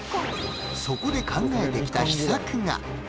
そこで考えてきた秘策が！